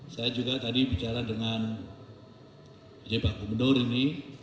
saya juga tadi bicara dengan pak komendor ini